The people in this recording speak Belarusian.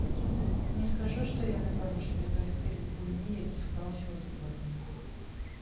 Не скажу, што яны парушылі той стыль гульні, які склаўся ў зборнай.